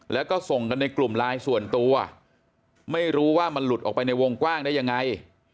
แล้วก็ส่งกันในกลุ่มไลน์ส่วนตัวไม่รู้ว่ามันหลุดออกไปในวงกว้างได้ยังไง